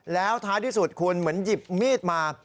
แล้วท้ายที่สุดคุณเหมือนหยิบมีดมา